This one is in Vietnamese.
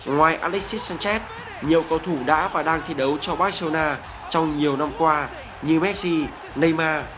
ngoài alexis sanchez nhiều cầu thủ đã và đang thi đấu cho barcelona trong nhiều năm qua như messi neymar